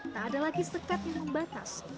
tak ada lagi setekat yang membatas